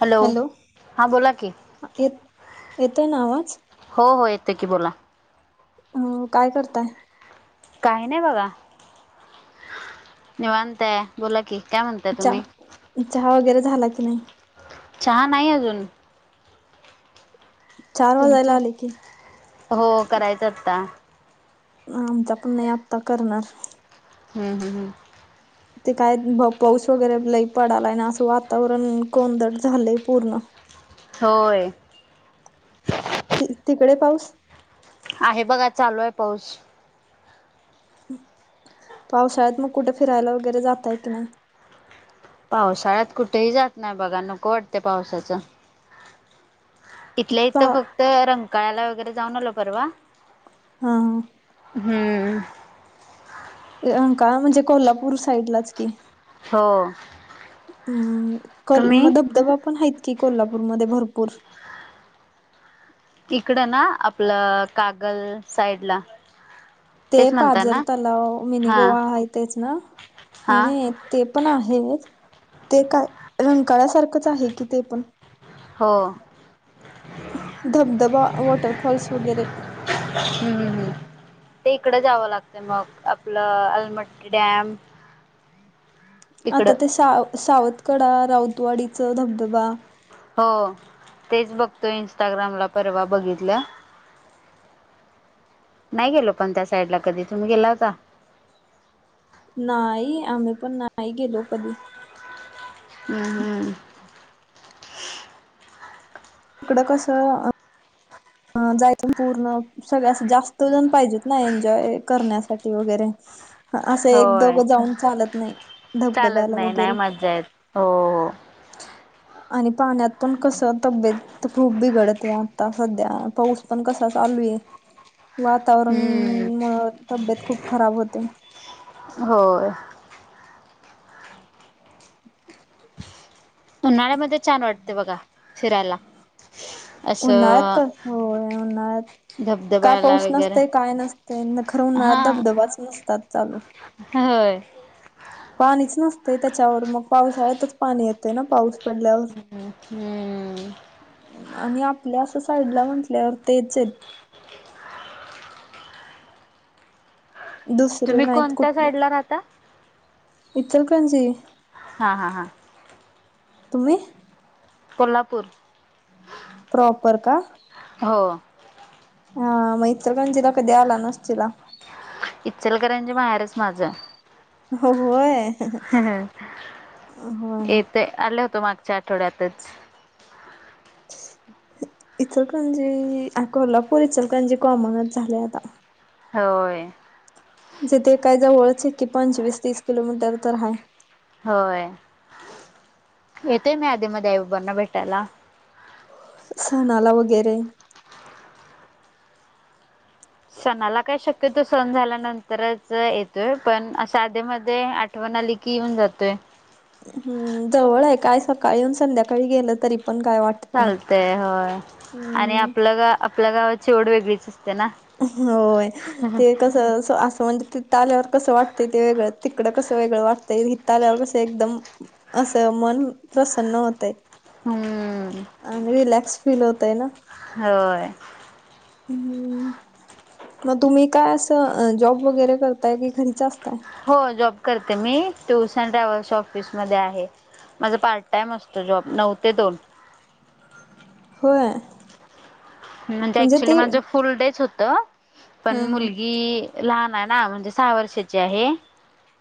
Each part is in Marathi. हॅलो! हा बोला की. येत येतोय ना आवाज? हो हो येतं की बोला. हम्म, काय करताय? काही नाही बघा, निवांतय बोला की, काय म्हणताय तुम्ही? चहा चहा वगैरे झाला की नाही? चहा नाही अजून. चार वाजायला तुमचा,?, आले की हो करायचं आत्ता. आमचा पण नाही, आत्ता करणार. हम्म हम्म हम्म. ते काय पाऊस वगैरे लय पडालाय ना, असं वातावरण कोंदट झालंय पूर्ण. होय. ति तिकडे पाऊस? आहे बघा चालू आहे पाऊस. पावसाळ्यात मग कुठे फिरायला वगैरे जाताय की नाही? पावसाळ्यात कुठेही जात नाही बघा, नको वाटतय पावसाचं. इथल्या इथं पहा फक्त रंकाळला वगैरे जाऊन आलो परवा. हा‌. हम्म. रंकाळा म्हणजे कोल्हापूर साईडलाच की. हो हम्म कल म तुम्ही धबधबा पण हाईत की कोल्हापूरमध्ये भरपूर. तिकडं ना आपलं, कागल साईडला. ते तेच म्हणता पाझर ना तलाव, मिनी हां गोवा आहे तेच ना, नाही हां नाही ते पण आहेच, ते काय रंकाळसारखंच आहे की ते पण. हो धबधबा, वॉटरफॉल्स वगैरे. हम्म हम्म हम्म. ते इकडं जावं लागतंय मग, आपलं आलमट्टी डॅम आता इकडं ते साव सावतकडा, राऊतवाडीचं धबधबा हो, तेच बघतोय इन्स्टाग्रामला परवा बघितलं नाही गेलो पण त्या साईड ला कधी, तुम्ही गेला होता? नाही, आम्ही पण नाही गेलो कधी. हम्म हम्म. इकडं कसं हं जायचं पूर्ण सगळ्या असं जास्तजण पाहिजेत ना, एन्जॉय करण्यासाठी वगैरे. ह असं एक होय दोघं जाऊन चालत नाही, चालत धबधब्याला नाही नाही वगैरे. मज्जा येत हो हो. आणि पाण्यात पण कसं तब्येत खूप बिघडत्या आता सध्या. हा पाऊस पण कसा चालूये वातावरण हम्म. मग तब्येत खूप खराब होते होय उन्हाळ्यामध्ये छान वाटते बघा फिरायला उन्हाळ्यात असं क होय उन्हाळ्यात काय धबधब्याला पाऊस वगैरे नसते काय नसते न खरं हा उन्हाळ्यात धबधबाच नसतात चालू होय पाणीच नसतय त्याच्यावर मग पावसाळ्यातच पाणी येतंय ना पाऊस पडल्यावर हू आणि आपल्या असं साइडला म्हटल्यावर तेच दुसरे तुम्ही नाहीत कोणत्या कुठल साईडला राहता? इचलकरणजी हा हा हा तुम्ही कोल्हापूर प्रॉपर का हो हा म इचलकरंजीला कधी आला नसशीला इचलकरंजी माहेरच माझं होय. ह होय येते आलं होत मागच्या आठ ठवड्यातच इचलकरंजी कोल्हापूर इचलकरंजी कॉमनच झालंय आता होय जे ते काय जवळच हाय की पंचवीस तीस किलोमीटर तर हाय होय येते मी आदे मध्ये आईबाबांना भेटायला सणाला वगैरे सणाला काय शक्यतो सण झाल्यानंतरच येतोय पण असं आदे मध्ये आठवण आली की येऊन जातोय हम्म जवळ हाय काय सकाळी येऊन संध्याकाळी गेलं तरी पण काय वाट चालतय होय आणि आपलं गाव आपल्या गावाची ओढ वेगळीच असते ना होय ते कस असं म्हणजे तिथ आल्यावर कसं वाटतंय ते वेगळं तिकडं कसं वेगळं वाटतंय हित आल्यावर कसं एकदम असं मन प्रसन्न होतय हम्म. आणि रिलॅक्स फील होतय ना होय हू म तुम्ही काय असं जॉब वगैरे करताय कि घरीच असताय हो जॉब करते मी टूर्स अँड ट्रॅव्हल्स ऑफिसमध्ये आहे माझ पार्ट टाइम असतो जॉब नऊ ते दोन होय म्हणजे ऍक्च्युली माझ फुल डेच होत हा पण हा मुलगी लहान हाय ना म्हणजे सहा वर्षाची आहे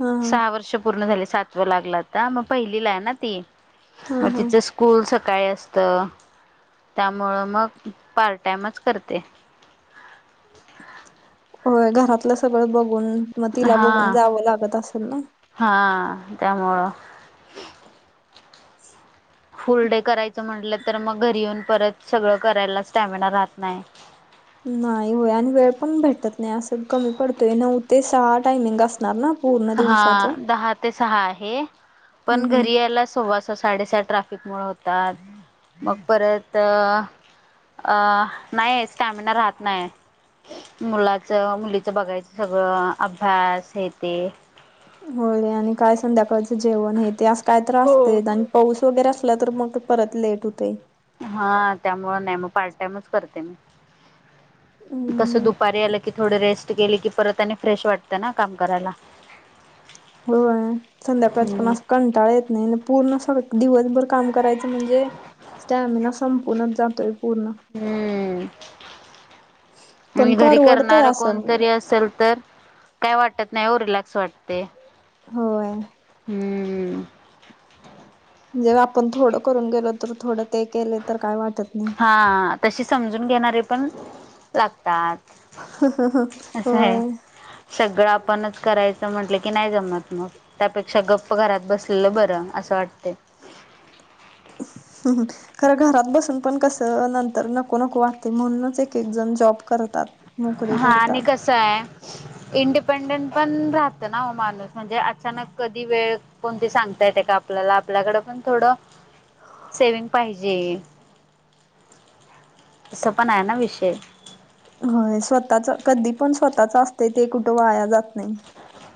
हा हा सहा वर्ष पूर्ण झाले सात लागल आता म पहिलीला हाय ना ती हा म हा तिच स्कूल सकाळी असतं त्यामुळं मग पार्ट टाइमच करते होय घरातलं सगळं बघून म तिला बघून हा जावं लागत असेल ना हा त्यामूळ फुल डे करायचं म्हटलं तर मग घरी येऊन परत सगळं करायला स्टॅमिना राहत नाही नाही होय आणि वेळ पण भेटत नाही असं कमी पडतोय नऊ ते सहा टायमिंग असणार ना पूर्ण हा दिवसाचं दहा ते सहा आहे हम्म पण हम्म. घरी यायला सव्वा सहा साडेसात, ट्रॅफिक मुळ होतात मग परत, अ नाही स्टॅमिना राहत नाही आहं. मुलाच मुलीच बघायचं सगळं अभ्यास हे तेे. होय आणि काय संध्याकाळचं जेवण हे ते असं काय तर हो. असतंय आणि पाऊस वगैरे असला तर मग परत लेट होतंय. हा त्यामुळं नाही मग पार्ट टाइमच करते मी. तसं हम्म. दुपारी आलं की थोडं रेस्ट, केली की परत आणि फ्रेश वाटतं ना काम करायला. होय संध्याकाळच पण हम्म. अस कंटाळा येत नाही पूर्ण स दिवसभर काम करायचं, म्हणजे स्टॅमिना संपूणच जातोय पूर्ण. हम्म पण परवडतंय असं म्हणजे, असंल तर काय वाटत नाही ओ रिलॅक्स वाटतंय होय. हम्म. म्हणजे आपण थोडं करून गेलो तर थोडं ते केले तर काय वाटत नाही. हा तशी समजून घेणारे पण लागतात. असं होय. आहे. सगळं आपणच करायचं म्हटलं की नाही जमत मग, त्यापेक्षा गप्प घरात बसलेलं बरं असं वाटतंय. [unintelligible] खरं घरात बसून पण कसं नंतर नको नको वाटतंय म्हणूनच एक एक जण जॉब करतात. नोकरी हा आणि करतात कसं आहं. इंडिपेंडेंन पण राहतं ना ओ माणूस म्हणजे अचानक कधी वेळ, कोणती सांगता येते का आपल्याला आपल्याकडं पण थोडं सेविंग पाहिजे. तसं पण हाय ना विषय. होय स्वतःच कधी पण स्वतःच असतंय ते कुठं वाया जात नाही.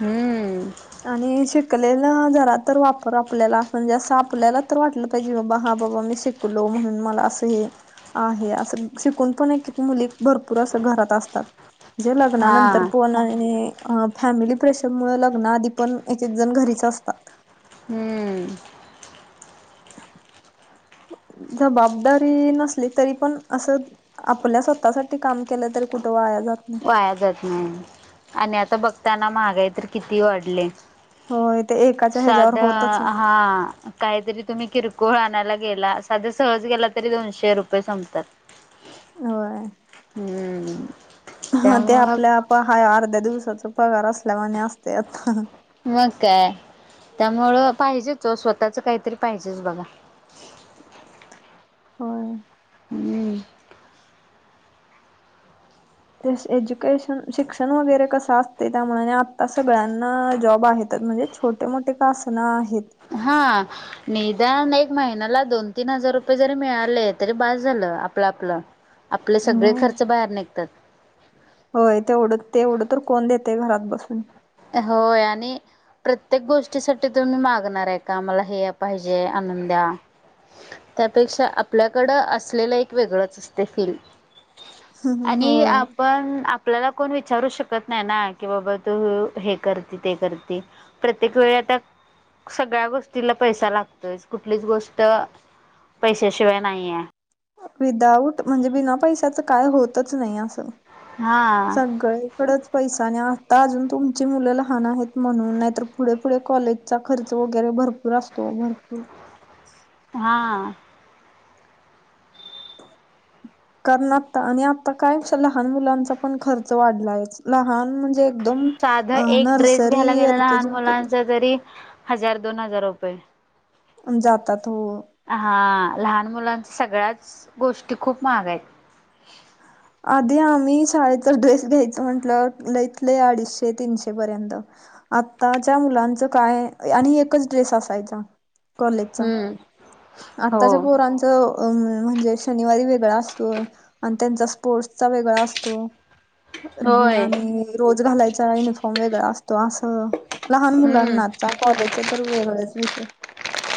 हम्म आणि शिकलेलं जरा तर वापर आपल्याला म्हणजे असं आपल्याला तर वाटलं, पाहिजे बाबा हा बाबा मी शिकलो म्हणून मला असं हे, आहे असं शिकून पण एक एक मुली भरपूर असं घरात असतात. म्हणजे हा लग्नानंतर पण आणि फॅमिली प्रेशर मुळं लग्नआधी, पण एकेक जण घरीच असतात. हम्म जबाबदारी नसली तरी पण असं, आपल्या स्वतःसाठी काम केलं तर कुठं वाया जात नाही. वाया जात नाही आणि आता बघताय ना महागाई तर किती वाढली आहं. होय ते एकाच्या ह्याच्यावर साधं होतच नाही. हा. काहीतरी तूम्ही किरकोळ आणायला गेलात साध सहज जरी गेला तरी दोनशे रुपये संपतात. होय. हम्म ह ते त्यामुळं आपल्या आप आहं अर्ध्या दिवसाचा पगार असल्यावाणी असतंय आता ह्. मग काय त्यामुळं पाहिजेच ओ स्वतःच काहीतरी पाहिजेच बघा. होय. हम्म. ते एज्युकेशन शिक्षण वगैरे कसं असतंय त्यामुळं आणि आत्ता सगळ्यांना जॉब आहेतच म्हणजेच छोटे मोठे का असेना आहेत. हां निदान एक महिन्याला दोन तीन हजार रुपये जरी मिळाले तरी बास झालं. आपलं, आपलं. आपले सगळे होय. खर्च बाहेर निघ- होय तेवढं ते तेवढं तर कोण देतय घरात बसून. होय आणि- प्रत्येक गोष्टीसाठी तुम्ही मागणार आहे का मला हे पाहिजे, आणून द्या. त्यापेक्षा आपल्याकडं असलेलं एक वेगळंच असतंय फिल आणि होय. आपण आपल्याला कोण विचारू शकत नाही ना की, बाबा तू हे करते, ते करते प्रत्येक वेळी आता सगळ्या गोष्टीला पैसा लागतोय कुठलीच गोष्ट पैशाशिवाय नाहीये. विदाउट म्हणजे बिना पैशाचा काय होतच नाही असं... हा सगळं एक कडच पैसा आणि आता अजून तुमची मुलं लहान आहेत म्हणून नाहीतर पुढे पुढे कॉलेज् जचा खर्च वगैरे भरपूर असतो भरपूर. हां कारण आता आणि आता काय लहान मुलांचा पण खर्च वाढलायच लहान म्हणजे एकदम साध अ एक ड्रेस नर्सरी घ्यायला गेल एल लहान केजी मुलांच युकेजी जरी हजार दोन हजार रुपये. जातात हो हा लहान मुलांचा सगळ्याच गोष्टी खूप महाग आहेत. आधी आम्ही शाळेचा ड्रेस घ्यायच म्हटलं लयीतलय अडीशे तीनशे पर्यंत. आत्ताच्या मुलांचं काय... आणि एकच ड्रेस असायचा. कॉलेजचा. हम्म. हो. आत्ताच्या पोरांचं अ म्हणजे शनिवारी वेगळा असतोय आणि त्यांचा स्पोर्ट्सचा वेगळा असतो. होय आणि रोज घालायचा युनिफॉर्म वेगळा असतो असं लहान हम्म. मुलांनाचा.. कॉलेजच्या तर वेगळाच विषय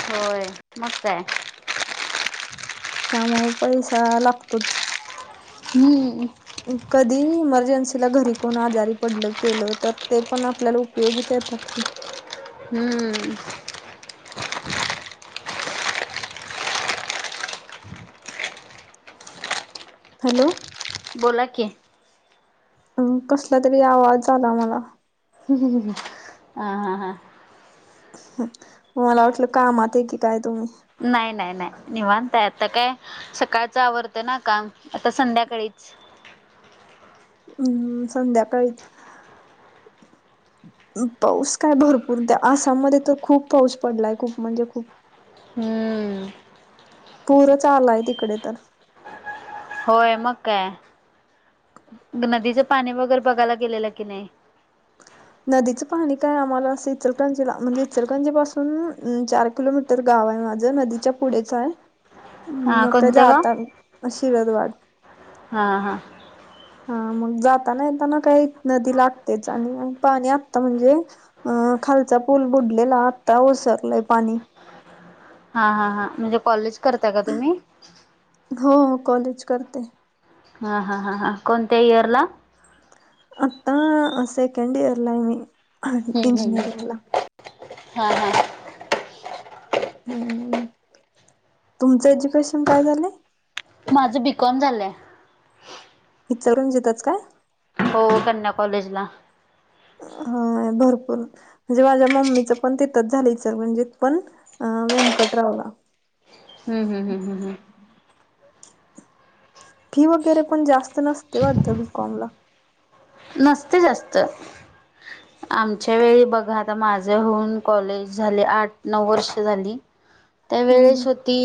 होय. मग काय त्यामुळे पैसा लागतोच हम्म कधी इमर्जन्सीला घरी कोण आजारी पडलं केलं तर ते पण आपल्याला उप् पयोगीच येतात की. हम्म हॅलो! बोला की? अ कसला तरी आवाज आला मला. हं हा हा हा मला वाटलं कामात आहे की, काय तुम्ही? नाई नाई नाई निवांत हाय आता काय सकाळच आवरत ना काम आता संध्याकाळीच हम्म संध्याकाळीच. पाऊस काय भरपूर ते आसाममध्ये तर खूप पाऊस पडलाय खूप म्हणजे खूप. हम्म पूरच आलाय तिकडं तर. होय मग काय नदीच पाणी वगैरे बघायला गेलेलं की नाई? नदीचं पाणी काय आम्हाला अस इचलकरंजीला म्हणजे इचलकरंजी पासून चार किलोमीटर गाव आहे माझं नदीच्या पुढेच हाय. हा मग काय कोणतं गाव जातात शिरदवाड हा हा. हा मग जाताना येताना काही नदी लागतेच आणि पाणी आत्ता म्हणजे अ खालचा पूल बुडलेला आत्ता ओसरलाय पाणी. हा हा हा म्हणजे कॉलेज करता का तुम्ही? हो हो कॉलेज करते. हा हा हा हा कोणत्या इयरला? आता सेकंड इयरला आहे मी. हम्म इंजिनिअरिंगला हम्म हा हा. हम्म तुमचं एज्युकेशन काय झालंय? माझं बीकॉम झालंय. इचलकरंजीतच काय? हो कन्या कॉलेजला. हा भरपूर म्हणजे माझ्या मम्मीचं पण तिथंच झालय इचलकरंजीत पण व्यंकटरावला. हम् हम हम हम ह्म. फी वगैरे पण जास्त नसते वाटतं बीकॉम ला. नसते जास्त. आमच्या वेळी बघा आता माझे होऊन कॉलेज झाले आठ नऊ वर्ष झाली. ह [unintelligible] [inaudible] त्या वेळेस होती.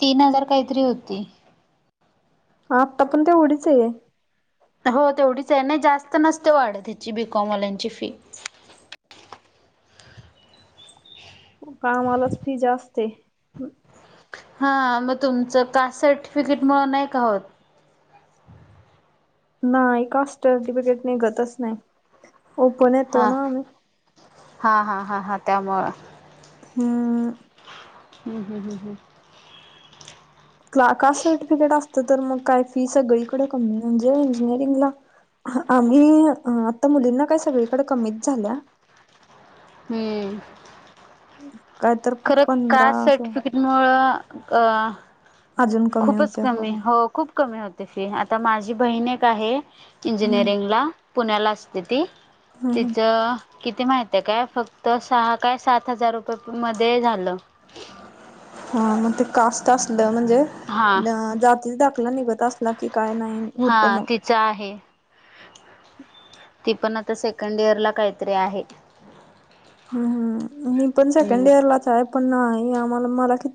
तीन हजार काहीतरी होती. मग आत्ता पण तेवढीच आहे. हो तेवढीच आहे नाही जास्त नसते वाढत ह्याची बीकॉम वाल्यांची फी. खूप कामालाच फी जास्ते. हा मग तुमचं कास्ट सर्टिफिकेट मुळ नाही का होत? नाही कास्ट सर्टिफिकेट निघतच नाही ओपन येतो हा ना आम्ही. हा हा हा हा त्यामुळ. हम्म. हम् हम् हम् हम्. कास्ट सर्टिफिकेट असतं तर मग काय फी सगळीकड कमी म्हणजे इंजिनिअरिंगला आम्ही आता मुलींना काय सगळीकड कमीच झाल्या. हम्म. काय तर खरं पंधरा कास्ट असं सर्टिफिकेट मुळं अ अजून कमी खूपच होते हो कमी हॊ खूप खूप कमी होते फी आता माझी बहिण एक आहे हम्म इंजिनिअरिंग ला. पुण्याला असते ती तिचं किती माहितय काय फक्त सहा काय सात हजार रुपये मध्ये झालं. हा मग ते कास्ट असलं म्हणजे हा जातीचा दाखला निघत अस बाकी काय नाही. होतो हा मग तीच आहे. ती पण आता सेकंड इयर ला काहीतरी आहे. हम् हम् मी पण हम्म सेकंड इयर लाच आहे पण नाही आम्हाला मला किती